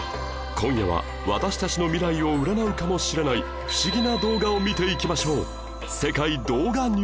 今夜は私たちの未来を占うかもしれない不思議な動画を見ていきましょう